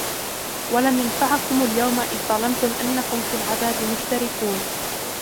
وَلَنْ يَنْفَعَكُمُ الْيَوْمَ إِذْ ظَلَمْتُمْ أَنَّكُمْ فِي الْعَذَابِ مُشْتَرِكُونَ